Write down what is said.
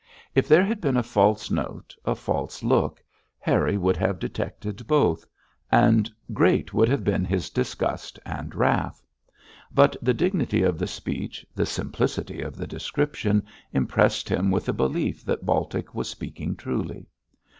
If there had been a false note, a false look, Harry would have detected both, and great would have been his disgust and wrath. But the dignity of the speech, the simplicity of the description, impressed him with a belief that Baltic was speaking truly.